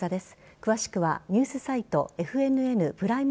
詳しくはニュースサイトＦＮＮプライム